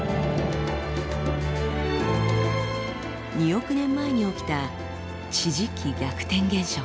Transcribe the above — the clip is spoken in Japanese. ２億年前に起きた地磁気逆転現象。